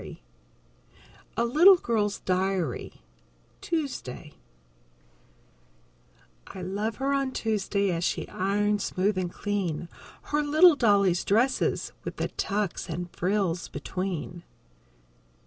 _ A LITTLE GIRL'S DIARY Tuesday _I love her on Tuesday As she irons smooth and clean Her little dolly's dresses With the tucks and frills between.